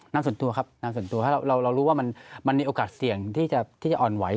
ส่วนตัวครับนางส่วนตัวถ้าเรารู้ว่ามันมีโอกาสเสี่ยงที่จะอ่อนไหว